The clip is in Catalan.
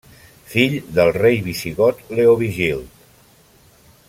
Fill del rei visigot Leovigild.